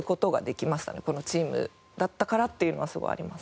このチームだったからっていうのはすごいあります。